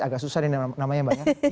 agak susah nih namanya mbak ya